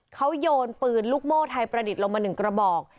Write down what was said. เขาโยนปืนลูกโม่ไทยประดิษฐ์ลงมา๑กระบอก